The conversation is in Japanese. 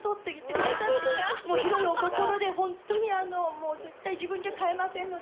もう広いお心でホントにあのもう絶対自分じゃ買えませんので。